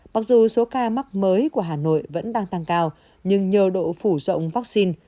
mặc dù số ca mắc mới của hà nội vẫn đang tăng cao nhưng nhờ độ phủ rộng vaccine